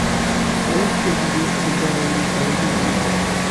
ممکن ډېر څه به يې بايللي وو.